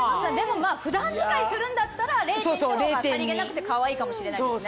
普段使いするんだったら０．２の方がさりげなくてかわいいかもしれないですね。